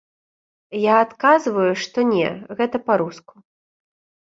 Я адказваю, што не, гэта па-руску.